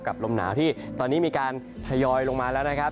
ลมหนาวที่ตอนนี้มีการทยอยลงมาแล้วนะครับ